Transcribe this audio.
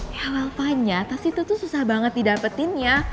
ya well fanya tas itu tuh susah banget didapetin ya